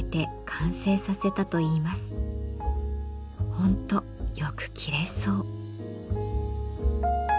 ほんとよく切れそう。